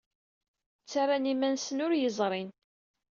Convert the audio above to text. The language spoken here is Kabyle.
Ttarran iman-nsen ur iyi-ẓrin.